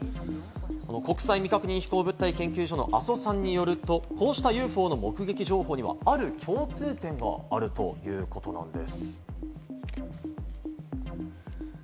国際未確認飛行物体研究所の阿曽さんによると、こうしたＵＦＯの目撃情報にはある共通点があるということなんです。